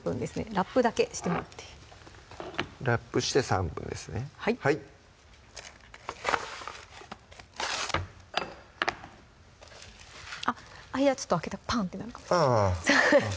ラップだけしてもらってラップして３分ですねはいあっ間ちょっと開けてパーンってなるあぁ